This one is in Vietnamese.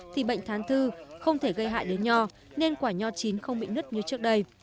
thì bệnh thán thư không thể gây hại đến nho nên quả nho chín không bị nứt như trước đây